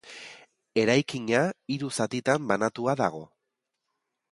Eraikina hiru zatitan banatua dago.